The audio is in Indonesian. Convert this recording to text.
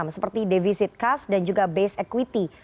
seperti devisit kas dan juga besit